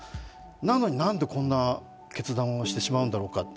なのに、何でこんな決断をしてしまうんだろうか。